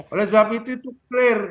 oleh sebab itu itu clear